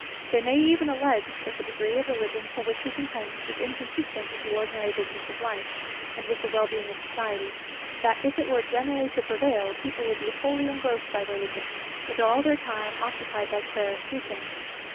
They may even allege, that the degree of Religion for which he contends is inconsistent with the ordinary business of life, and with the well being of society; that if it were generally to prevail, people would be wholly engrossed by Religion, and all their time occupied by prayer and preaching.